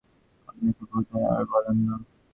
আপনাকে বোধহয় আর বলেন না।